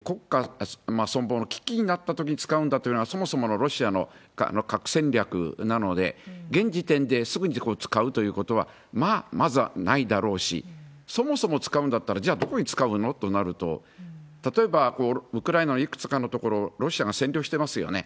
でも、ラブロフ外相が言っているように、本当のロシアの国家存亡の危機になったときに使うんだというのは、そもそものロシアの核戦略なので、現時点ですぐに使うということは、まあまずはないだろうし、そもそも使うんだったら、じゃあどこに使うの？となると、例えばウクライナのいくつかの所をロシアが占領してますよね。